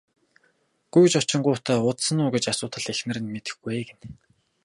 Гүйж очингуут удсан уу гэж асуутал эхнэр нь мэдэхгүй ээ гэнэ.